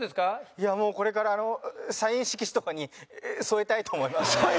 いやもうこれからサイン色紙とかに添えたいと思います。